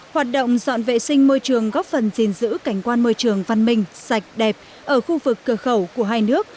hoạt động dọn vệ sinh môi trường góp phần gìn giữ cảnh quan môi trường văn minh sạch đẹp ở khu vực cửa khẩu của hai nước